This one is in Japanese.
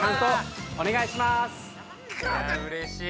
◆うれしい。